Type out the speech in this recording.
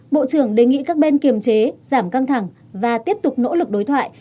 bộ trưởng đề nghị các bên kiềm chế giảm căng thẳng và tiếp tục nỗ lực đối thoại